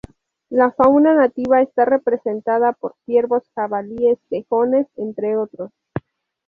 La fauna nativa está representada por ciervos, jabalíes, tejones, entre otros.